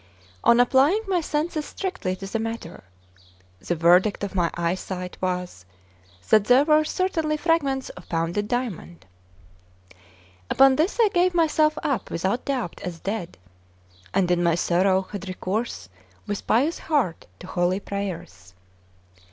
On applying my senses strictly to the matter, the verdict of my eyesight was that they were certainly fragments of pounded diamond. Upon this I gave myself up without doubt as dead, and in my sorrow had recourse with pious heart to holy prayers.